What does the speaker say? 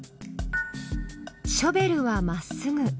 ショベルはまっすぐ。